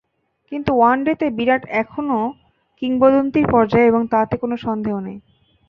কিন্তু ওয়ানডেতে বিরাট এখনই কিংবদন্তির পর্যায়ে এবং তাতে কোনো সন্দেহই নেই।